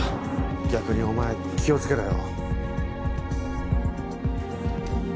逆にお前気を付けろよ。